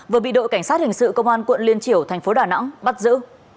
vừa bị đội cảnh sát hình sự công an quận liên triểu tp đà nẵng bắt giữ